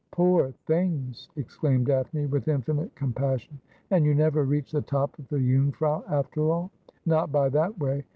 'Poor things !' exclaimed Daphne with infinite compassion ;' and you never reached the top of the Jungfrau after all.' ' Not by that way.